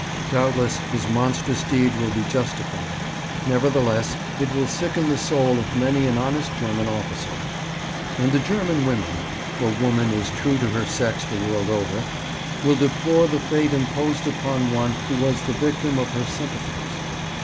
Doubtless his monstrous deed will be justified; nevertheless, it will sicken the soul of many an honest German officer. And the German women for woman is true to her sex the world over will deplore the fate imposed upon one who was the victim of her sympathies.